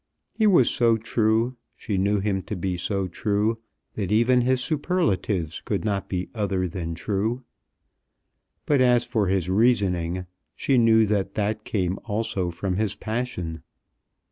He was so true, she knew him to be so true, that even his superlatives could not be other than true! But as for his reasoning, she knew that that came also from his passion.